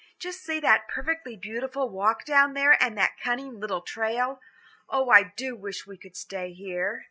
Just see that perfectly beautiful walk down there and that cunning little trail. Oh, I do so wish we could stay here."